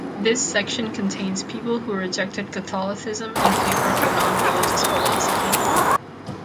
This section contains people who rejected Catholicism in favor of a non-religious philosophy.